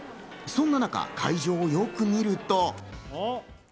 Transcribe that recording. そんな中、会場をよく見ると。